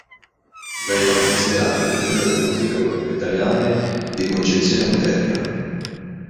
Vengono considerate le prime locomotive a vapore italiane di concezione moderna.